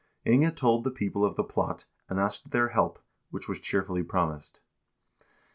Inge told the people of the plot, and asked their help, which was cheer fully promised.